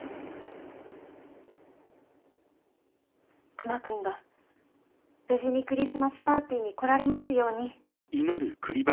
熊くんが無事にクリスマスパーティーに来られますように。